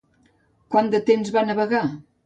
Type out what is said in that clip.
Quant de temps va navegar?